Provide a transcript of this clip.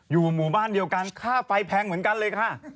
อยู่หมู่บ้านเดียวกันค่าไฟแพงเหมือนกันเลยค่ะ